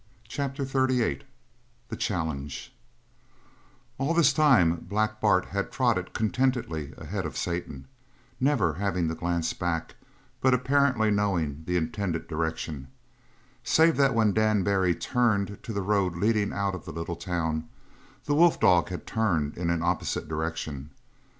CHAPTER XXXVIII THE CHALLENGE All this time Black Bart had trotted contentedly ahead of Satan, never having to glance back but apparently knowing the intended direction; save that when Dan Barry turned to the road leading out of the little town, the wolf dog had turned in an opposite direction.